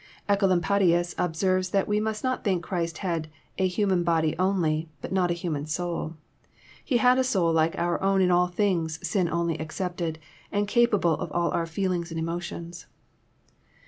Ecolampadius observes that we must not think Christ had a human body only, and not a human soul. He had a soul like our own in all things, sin only excepted, and capable of all our feel ings and emotions.